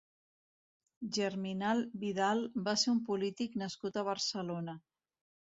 Germinal Vidal va ser un polític nascut a Barcelona.